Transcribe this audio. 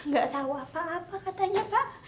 gak tahu apa apa katanya pak